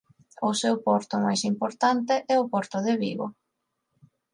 O seu porto máis importante é o Porto de Vigo.